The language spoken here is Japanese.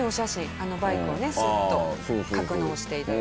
あのバイクをねスッと格納していただいて。